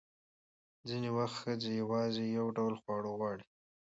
ځینې وخت ښځې یوازې یو ډول خواړه غواړي.